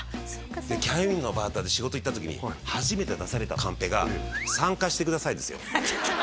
キャインのバーターで仕事行った時に初めて出されたカンペが「参加してください」ですよ